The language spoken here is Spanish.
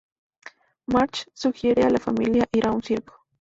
Marge sugiere a la familia ir a un circo.